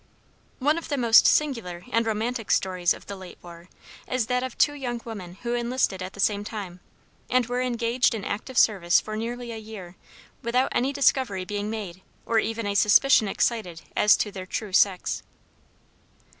One of the most singular and romantic stories of the late war, is that of two young women who enlisted at the same time, and were engaged in active service for nearly a year without any discovery being made or even a suspicion excited as to their true sex.